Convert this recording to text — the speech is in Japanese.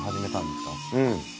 うん。